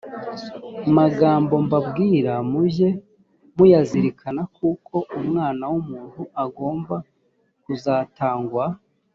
magambo mbabwira mujye muyazirikana kuko umwana w umuntu agomba kuzatangwa